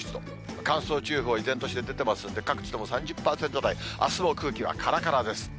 乾燥注意報、依然として出てますんで、各地とも３０％台、あすも空気はからからです。